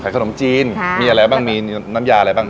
ขนมจีนมีอะไรบ้างมีน้ำยาอะไรบ้าง